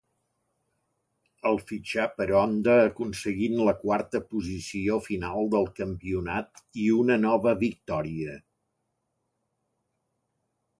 El fitxà per Honda aconseguint la quarta posició final del campionat i una nova victòria.